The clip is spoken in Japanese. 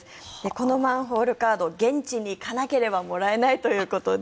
このマンホールカード現地に行かなければもらえないということで。